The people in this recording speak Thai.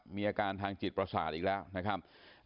มีอาการทางจิตประสาทอีกแล้วนะครับ